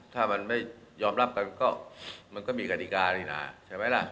ถ้ามันไม่ยอมรับกันก็มันก็มีกฎิกานี่นะใช่ไหมล่ะ